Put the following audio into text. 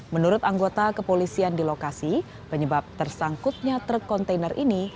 menurut anggota kepolisian di lokasi penyebab tersangkutnya truk kontainer ini